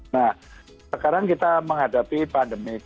nah sekarang kita menghadapi pandemi